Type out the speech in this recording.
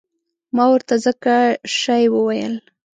ما ورته ځکه شی وویل.